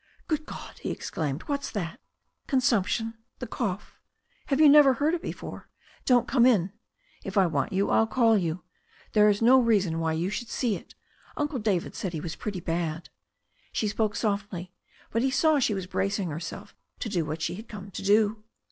"Good God!" he exclaimed. "What's that?" "Consumption, the cough; have you never heard it be fore? Don't come in. If I want you 1*11 call you. There's no reason why you should see it. Uncle David said he was pretty bad." She spoke softly, but he saw she was bracing herseli to do what she had come to do.